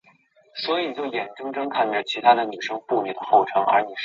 史密斯生于昆士兰布里斯班哈密尔顿市。